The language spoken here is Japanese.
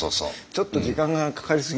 ちょっと時間がかかりすぎ。